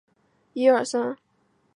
棉毛黄耆是豆科黄芪属的植物。